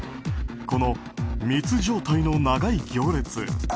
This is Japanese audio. この密状態の長い行列。